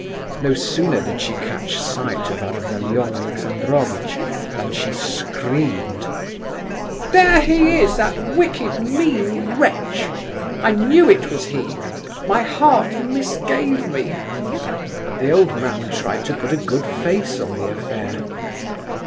No sooner did she catch sight of Ardalion Alexandrovitch than she screamed: "There he is, that wicked, mean wretch! I knew it was he! My heart misgave me!" The old man tried to put a good face on the affair.